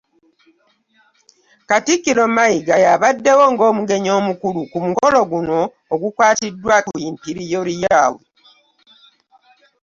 Katikkiro Mayiga y'abaddewo ng'omugenyi omukulu ku mukolo guno ogukwatiddwa ku imperial Royale